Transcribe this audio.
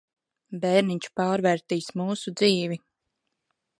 Bērniņš pārvērtīs mūsu dzīvi.